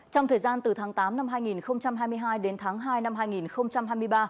trong thời gian từ tháng tám năm hai nghìn hai mươi hai đến tháng hai năm hai nghìn hai mươi ba